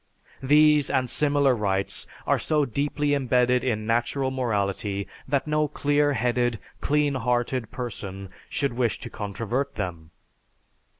These and similar rights are so deeply imbedded in natural morality that no clear headed, clean hearted person would wish to controvert them....